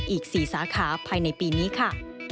อีก๔สาขาภายในปีนี้ค่ะ